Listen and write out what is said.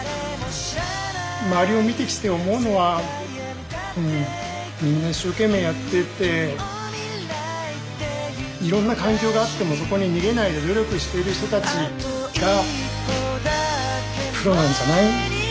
周りを見てきて思うのはみんな一生懸命やってていろんな環境があってもそこに逃げないで努力している人たちがプロなんじゃない？